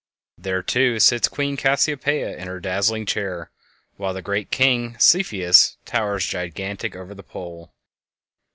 There, too, sits Queen Cassiopeia in her dazzling chair, while the Great King, Cepheus, towers gigantic over the pole.